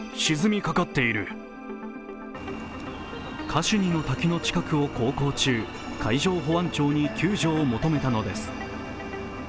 カシュニの滝の近くを航行中、海上保安庁に救助を求めたのです。